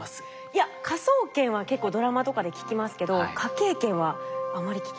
いや科捜研は結構ドラマとかで聞きますけど科警研はあまり聞きなじみないですね。